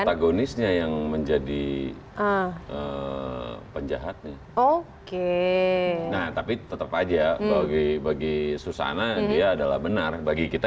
atagonisnya yang menjadi penjahatnya oke nah tapi tetap aja bagi bagi susana dia adalah benar bagi kita